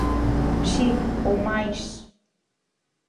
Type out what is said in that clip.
Si, ou máis.